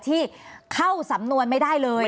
ที่เข้าสำนวนไม่ได้เลย